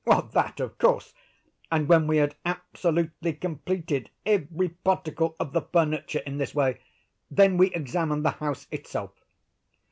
"That of course; and when we had absolutely completed every particle of the furniture in this way, then we examined the house itself.